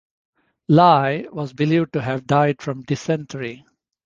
Li was believed to have died from dysentery.